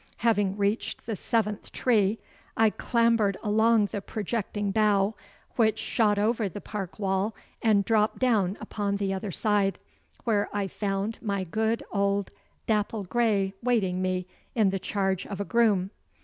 Having reached the seventh tree, I clambered along the projecting bough which shot over the park wall, and dropped down upon the other side, where I found my good old dapple grey awaiting me in the charge of a groom.